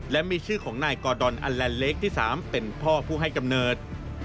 และมีชื่อของนายกอดอนอัลแลนเล็กที่๓เป็นพ่อผู้ให้กำเนิด